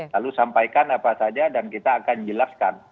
lalu sampaikan apa saja dan kita akan jelaskan